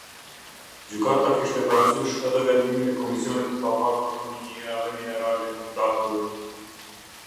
Gjykata kishte parasysh edhe vendimin e Komisionit të Pavarur për Miniera dhe Minerale datë.